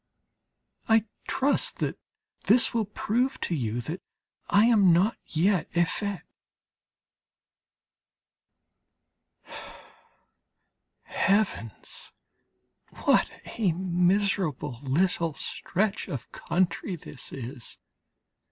I trust that this will prove to you that I am not yet effete. Heavens! what a miserable little stretch of country this is!